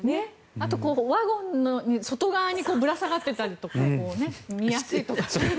あとワゴンの外側にぶら下がってたりとか見やすいとか。